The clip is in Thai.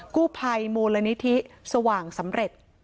กู้ภัยมูลนิธิสว่างสำเร็จ